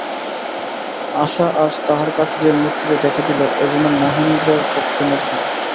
আশা আজ তাহার কাছে যে-মূর্তিতে দেখা দিল, এ যেন মহেন্দ্রের পক্ষে নূতন।